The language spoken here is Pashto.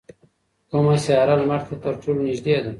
کومه سیاره لمر ته تر ټولو نږدې ده؟